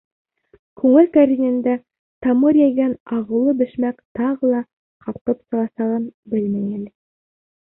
Күңел кәрзинендә тамыр йәйгән ағыулы бәшмәк тағы ла ҡалҡып сығасағын белмәй әле.